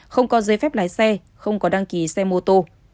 không có giấy phép lái xe không có đăng ký xe mô tô